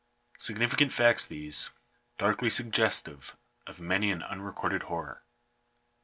Significant facts these : darkly suggestive of many an unrecorded horror.